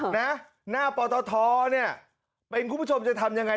หน้าปทเนี่ยเป็นคุณผู้ชมจะทำยังไง